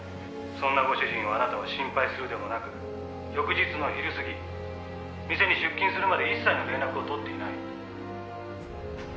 「そんなご主人をあなたは心配するでもなく翌日の昼過ぎ店に出勤するまで一切の連絡を取っていない」